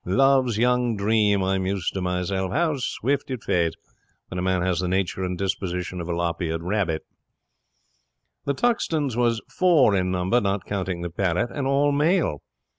Love's young dream, I muses to myself, how swift it fades when a man has the nature and disposition of a lop eared rabbit! 'The Tuxtons was four in number, not counting the parrot, and all male.